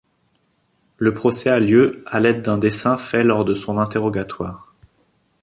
Le procès a lieu à l'aide d'un dessin fait lors de son interrogatoire.